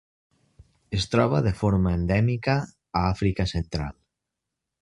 Es troba de forma endèmica a Àfrica Central.